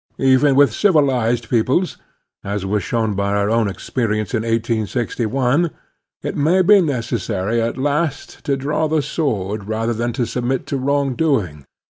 Even with civilized peoples, as was shown by our own experience in 1861, it may be necessary at last to draw the sword rather than to submit to wrong doing.